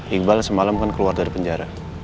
iqbal semalam kan keluar dari penjara